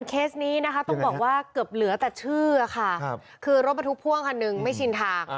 เคสนี้นะคะต้องบอกว่าเกือบเหลือแต่ชื่อค่ะคือรถบรรทุกพ่วงคันหนึ่งไม่ชินทาง